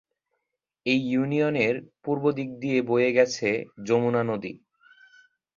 এই ইউনিয়নের পূর্ব দিক দিয়ে বয়ে গেছে যমুনা নদী।